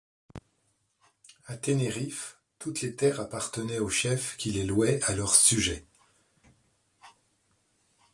À Tenerife, toutes les terres appartenaient aux chefs qui les louaient à leurs sujets.